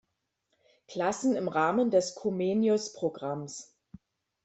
Klassen im Rahmen des Comenius-Programms.